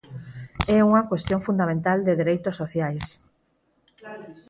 É unha cuestión fundamental de dereitos sociais.